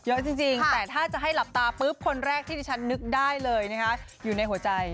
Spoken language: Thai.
เยอะจริงแต่ถ้าจะให้หลับตาปุ๊บคนแรกที่ที่ฉันนึกได้เลยนะคะอยู่ในหัวใจ